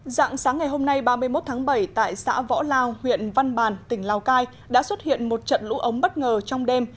dạng sáng ngày hôm nay ba mươi một tháng bảy tại xã võ lao huyện văn bàn tỉnh lào cai đã xuất hiện một trận lũ ống bất ngờ trong đêm